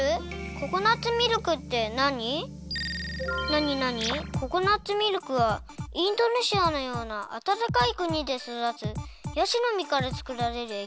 ココナツミルクはインドネシアのようなあたたかいくにでそだつヤシのみからつくられるえきたい。